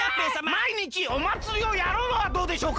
まいにちおまつりをやるのはどうでしょうか？